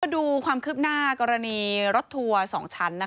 ดูความคืบหน้ากรณีรถทัวร์๒ชั้น